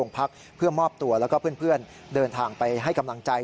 พักเพื่อมอบตัวแล้วก็เพื่อนเดินทางไปให้กำลังใจ